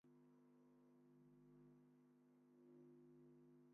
Chút mưa, chút nắng vờn quanh